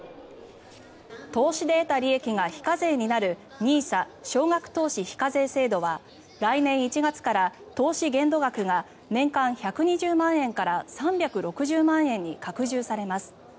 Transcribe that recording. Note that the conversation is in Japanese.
投資で得た利益が非課税になるＮＩＳＡ・少額投資非課税制度は来年１月から投資限度額が年間１２０万円から３６０万円に拡充されます。